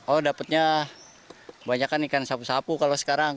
oh dapetnya kebanyakan ikan sapu sapu kalau sekarang